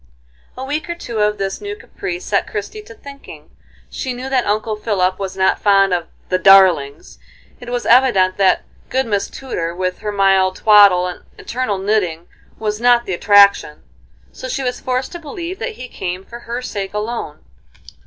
A week or two of this new caprice set Christie to thinking. She knew that Uncle Philip was not fond of "the darlings;" it was evident that good Miss Tudor, with her mild twaddle and eternal knitting, was not the attraction, so she was forced to believe that he came for her sake alone.